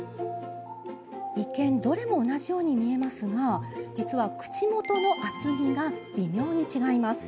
一見、どれも同じように見えますが実は口元の厚みが微妙に違います。